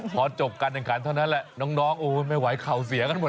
พอจบการเงินขันเท่านั้นแหละน้องไม่ไหวเข่าเสียกันหมดแล้ว